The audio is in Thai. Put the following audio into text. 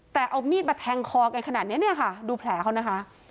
แต่เอามีดมาแทงคอกันขนาดนี้เนี่ยค่ะดูแผลเขานะคะ